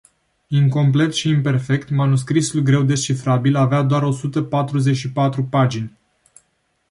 Incomplet și imperfect, manuscrisul greu descifrabil avea doar o sută patruzeci și patru pagini.